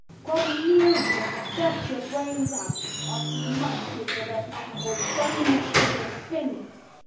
"Come near him, and I'll dash your brains out! I'll mash you till there's not a whole bone left in your skin!"